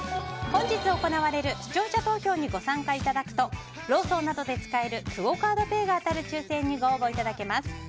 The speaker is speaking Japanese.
本日行われる視聴者投票にご参加いただくとローソンなどで使えるクオ・カードペイが当たる抽選に、ご応募いただけます。